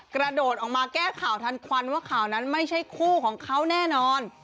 กระโดดออกมาแก้ข่าวทันควันว่าข่าวนั้นไม่ใช่คู่ของเขาแน่นอน